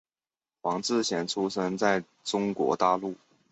黄志贤出生在中国大陆。